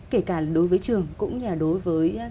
kể cả đối với trường cũng như đối với